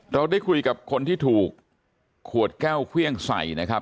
เราได้คุยกับคนที่ถูกขวดแก้วเครื่องใส่นะครับ